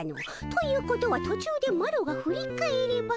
ということは途中でマロが振り返れば。